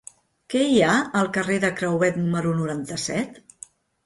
Què hi ha al carrer de Crehuet número noranta-set?